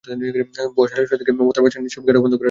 ভোর সোয়া ছয়টার দিকে মমতার বাসার নিচে গেটও বন্ধ করে রাখা হয়।